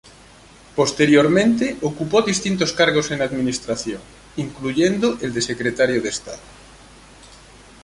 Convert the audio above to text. Posteriormente ocupó distintos cargos en la administración, incluyendo el de secretario de estado.